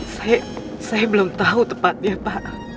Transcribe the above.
saya belum tahu tepatnya pak